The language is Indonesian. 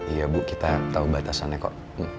iya bu kita tahu batasannya kok